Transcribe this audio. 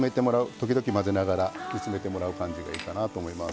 時々混ぜながら煮詰めてもらう感じがいいかなと思います。